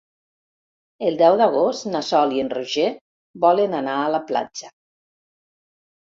El deu d'agost na Sol i en Roger volen anar a la platja.